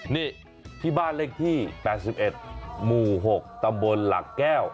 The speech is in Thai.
นี่ที่บ้านเลขที่๘๑หมู่๖ตำบลหลักแก้ว